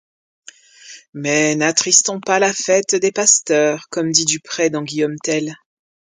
Mais n’attristons pas la fête des pasteurs, comme dit Duprez dans Guillaume Tell.